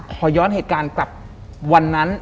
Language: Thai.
ขอย้อนเหตุการณ์กลับวันนั้น